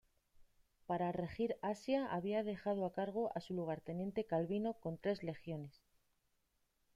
Para regir Asia había dejado a cargo a su lugarteniente Calvino con tres legiones.